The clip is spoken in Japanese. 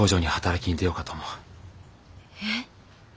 えっ？